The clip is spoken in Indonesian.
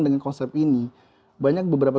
dengan konsep ini banyak beberapa